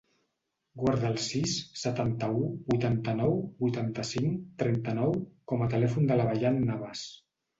Guarda el sis, setanta-u, vuitanta-nou, vuitanta-cinc, trenta-nou com a telèfon de la Bayan Navas.